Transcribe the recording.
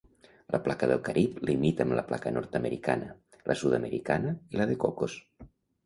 La placa del Carib limita amb la placa nord-americana, la sud-americana, i la de Cocos.